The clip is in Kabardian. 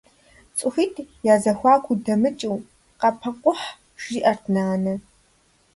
Цӏыхуитӏ язэхуаку удэмыкӏыу, къапэкӏухь, жиӏэрт нанэ.